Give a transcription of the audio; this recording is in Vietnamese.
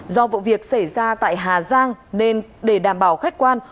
do vụ việc xảy ra tại hà giang nên để đảm bảo khách quan